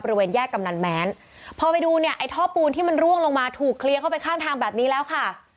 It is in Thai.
บริเวณแยกกำนันแม้นพอไปดูเนี่ยไอ้ท่อปูนที่มันร่วงลงมาถูกเคลียร์เข้าไปข้างทางแบบนี้แล้วค่ะ